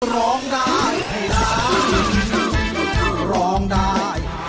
ร้องได้ให้ล้านร้องได้